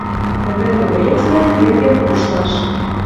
Ӹдӹр-млоецвлӓм тергӓ кушташ.